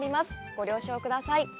ご了承ください。